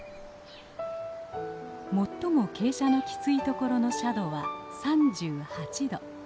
最も傾斜のきついところの斜度は３８度。